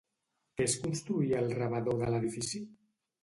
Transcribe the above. Què es construïa al rebedor de l'edifici?